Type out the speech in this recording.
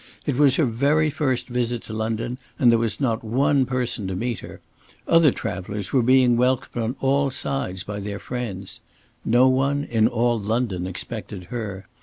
It was her very first visit to London, and there was not one person to meet her. Other travelers were being welcomed on all sides by their friends. No one in all London expected her.